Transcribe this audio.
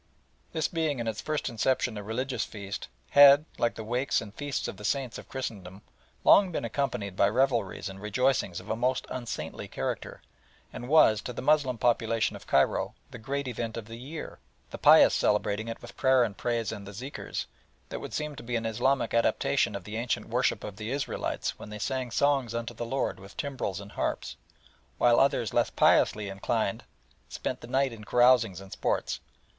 This being in its first inception a religious feast, had, like the wakes and feasts of the saints of Christendom, long been accompanied by revelries and rejoicings of a most unsaintly character, and was, to the Moslem population of Cairo, the great event of the year, the pious celebrating it with prayer and praise and the zikrs that would seem to be an Islamic adaptation of the ancient worship of the Israelites when they sang songs unto the Lord with timbrels and harps while others less piously inclined spent the night in carousings and sports.